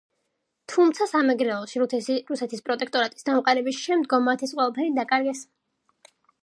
თუმცა სამეგრელოში რუსეთის პროტექტორატის დამყარების შემდგომ მათ ეს ყველაფერი დაკარგეს.